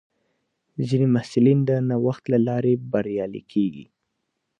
ځینې محصلین د نوښت له لارې بریالي کېږي.